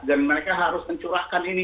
dan mereka harus mencurahkan ini